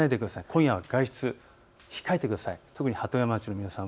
今夜は外出、控えてください。